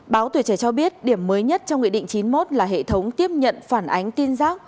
báo tuổi trẻ cho biết điểm mới nhất trong nghị định chín mươi một là hệ thống tiếp nhận phản ánh tin rác